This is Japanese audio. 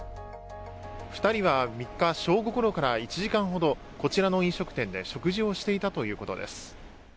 ２人は３日正午ごろから１時間ほどこちらの飲食店で食事をしていたということです。